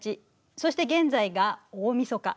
そして現在が大みそか。